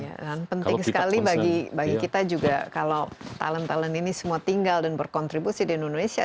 iya dan penting sekali bagi kita juga kalau talent talent ini semua tinggal dan berkontribusi di indonesia